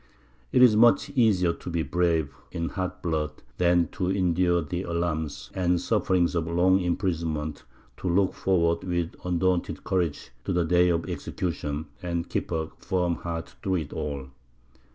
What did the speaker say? It is much easier to be brave in hot blood than to endure the alarms and sufferings of long imprisonment, to look forward with undaunted courage to the day of execution, and keep a firm heart through it all.